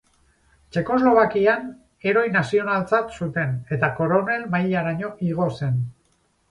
Txekoslovakian heroi nazionaltzat zuten, eta koronel mailaraino igo zen.